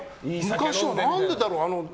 昔は、何でだろう。